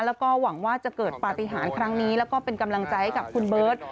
แล้วก็หวังว่าจะเกิดปฏิหารครั้งนี้แล้วก็เป็นกำลังใจให้กับคุณเบิร์ต